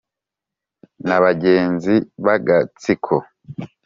N'abagenzi b'agatsiko